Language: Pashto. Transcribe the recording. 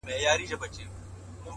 حوصله د ستونزو دروازه پرانیزي